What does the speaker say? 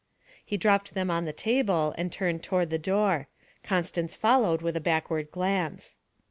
He dropped them on the table and turned toward the door; Constance followed with a backward glance.